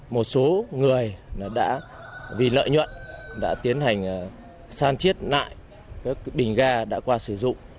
một số người đã vì lợi nhuận đã tiến hành san chiết lại các bình ga đã qua sử dụng